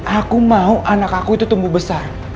aku mau anak aku itu tumbuh besar